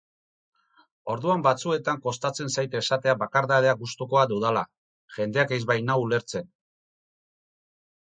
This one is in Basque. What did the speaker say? Orduan batzuetan kostatzen zait esatea bakardadea gustukoa dudala, jendeak ez bainau ulertzen.